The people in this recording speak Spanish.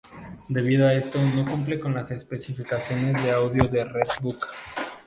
Debido a esto, no cumple con las especificaciones de audio del Red Book.